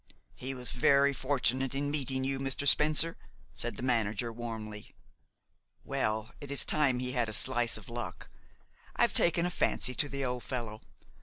"He was very fortunate in meeting you, Mr. Spencer," said the manager warmly. "Well, it is time he had a slice of luck. I've taken a fancy to the old fellow.